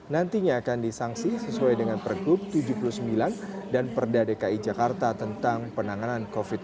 nantinya akan disangsi sesuai dengan pergub tujuh puluh sembilan dan perda dki jakarta tentang penanganan covid sembilan belas